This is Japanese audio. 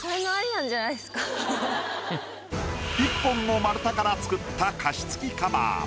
１本の丸太から作った加湿器カバー。